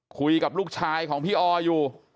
คุยกับลูกชายของพี่อออยู่